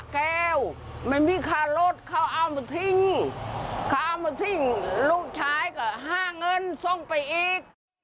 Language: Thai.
แก้วมันมีค่ารถเขาเอามาทิ้งเขาเอามาทิ้งลูกชายก็ห้าเงินส่งไปอีก